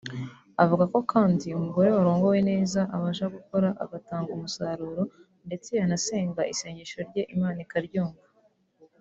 Avuga ko kandi umugore warongowe neza abasha gukora agatanga umusaruro ndetse yanasenga isengesho rye Imana ikaryumva